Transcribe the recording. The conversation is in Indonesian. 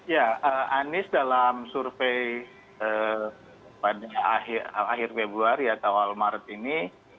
ya anies dalam survei pada akhir februari atau awal maret ini